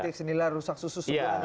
titik sinilah rusak susu sebuah air ya